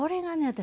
私